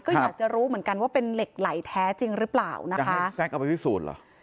ก็อยากจะรู้เหมือนกันว่าเป็นเหล็กไหลแท้จริงหรือเปล่านะคะแซ็กเอาไปพิสูจน์เหรอ